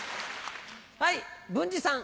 はい文治さん。